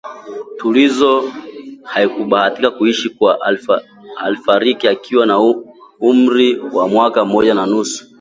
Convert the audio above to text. Tulizo hakubahatika kuishi kwani alifariki akiwa na umri wa mwaka mmoja na nusu